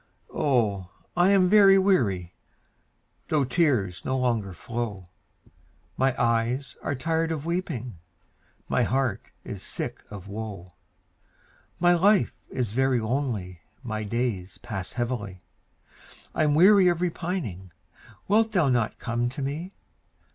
Oh, I am very weary, Though tears no longer flow; My eyes are tired of weeping, My heart is sick of woe; My life is very lonely My days pass heavily, I'm weary of repining; Wilt thou not come to me?